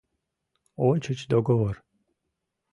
Ончыч договор!